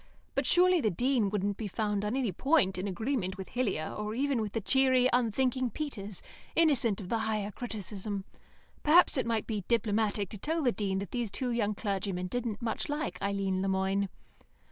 But surely the Dean wouldn't be found on any point in agreement with Hillier, or even with the cheery, unthinking Peters, innocent of the Higher Criticism. Perhaps it might be diplomatic to tell the Dean that these two young clergymen didn't much like Eileen Le Moine.